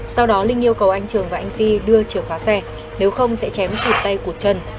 sau đó linh yêu cầu anh trường và anh phi đưa chìa khóa xe nếu không sẽ chém cụt tay cụt chân